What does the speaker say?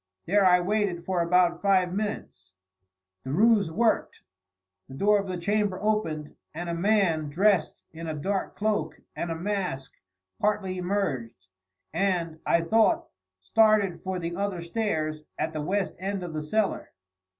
There I waited for about five minutes. The ruse worked. The door of the chamber opened, and a man, dressed in a dark cloak and a mask, partly emerged, and, I thought, started for the other stairs at the west end of the cellar.